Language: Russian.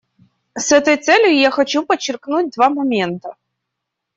С этой целью я хочу подчеркнуть два момента.